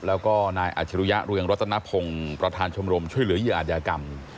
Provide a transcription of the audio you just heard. แล้วก็นายอาจรุยะเรืองรัตนพงศ์ประธานชมรมช่วยเหลือเหยื่ออาจยากรรม